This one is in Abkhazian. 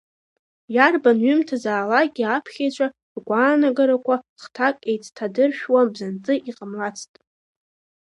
Иарбан ҩымҭазаалакгьы аԥхьаҩцәа ргәаанагарақәа хҭак еицҭадыршәуа бзанҵы иҟамлаӡац.